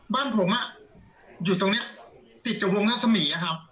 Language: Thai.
บ้านผมอยู่ตรงนี้ติดกับวงรัศมีครับ